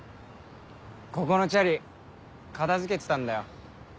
ここのチャリ片付けてたんだよ。